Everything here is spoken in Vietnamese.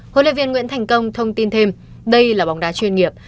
huấn luyện viên nguyễn thành công thông tin thêm đây là bóng đá chuyên nghiệp